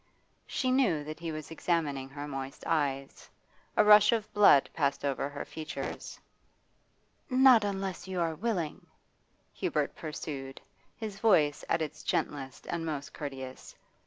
She knew that he was examining her moist eyes; a rush of blood passed over her features. 'Not unless you are willing,' Hubert pursued, his voice at its gentlest and most courteous.